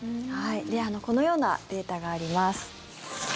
このようなデータがあります。